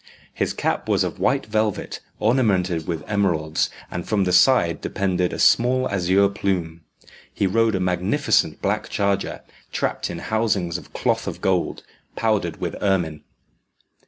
His cap was of white velvet, ornamented with emeralds, and from the side depended a small azure plume. He rode a magnificent black charger, trapped in housings of cloth of gold, powdered with ermine.